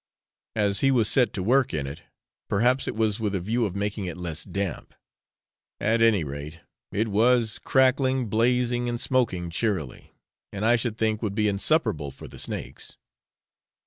As he was set to work in it, perhaps it was with a view of making it less damp; at any rate, it was crackling, blazing, and smoking cheerily, and I should think would be insupportable for the snakes.